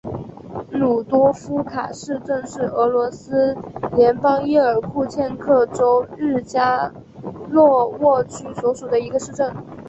鲁多夫卡市镇是俄罗斯联邦伊尔库茨克州日加洛沃区所属的一个市镇。